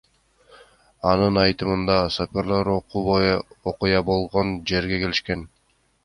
Анын айтымында, сапёрлор окуя болгон жерге келишкен.